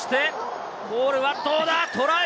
ボールはどうだ？